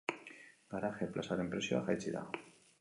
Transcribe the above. Garaje plazaren prezioa jaitsi da.